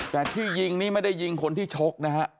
แต่ที่ยิงนี่ไม่ได้ยิงคนที่ชกนะฮะ